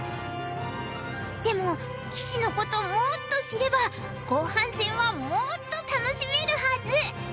でも棋士のこともっと知れば後半戦はもっと楽しめるはず！